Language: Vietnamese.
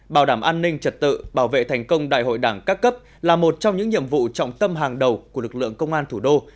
bảo đảm an ninh trật tự bảo vệ thành công đại hội đảng các cấp là một trong những nhiệm vụ trọng tâm hàng đầu của lực lượng công an thủ đô